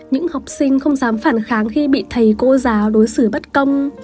những học sinh không dám phản kháng khi bị thầy cô giáo đối xử bất công